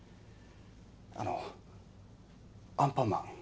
あの「アンパンマン」。